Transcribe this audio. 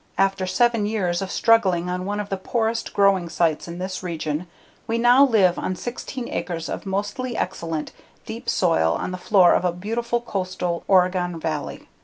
After seven years of struggling on one of the poorest growing sites in this region we now live on 16 acres of mostly excellent, deep soil, on the floor of a beautiful, coastal Oregon valley.